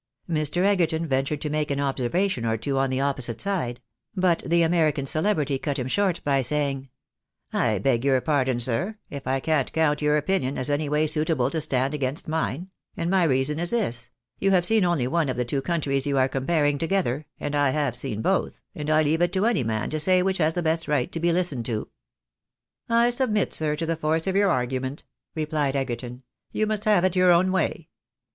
Mr. Egerton ventured to make an observation or two on the opposite side ; but the American celebrity cut him short, by saying, " I beg your pardon, sir, if I can't count your opinion as any way suitable to stand against mine ; and my reason is this ;— you have seen only one of the two countries you are comparing together, and I have seen both, and I leave it to any man to say which has the best right to be listened to." " I submit, sir, to the force of your argument," replied Egerton ;" you must have it your own way."